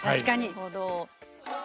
なるほど。